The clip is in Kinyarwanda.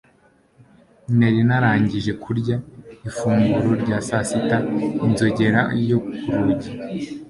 Nari narangije kurya ifunguro rya sasita inzogera yo ku rugi